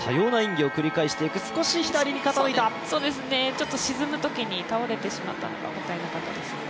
ちょっと沈むときに倒れてしまったのがもったいないですね。